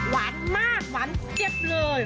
หวานมากหวานเจ็บเลย